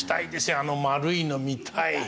あの丸いの見たい。